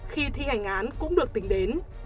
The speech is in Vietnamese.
khi thi hành án cũng được tính đến